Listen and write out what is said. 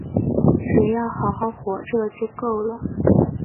只要好好活着就够了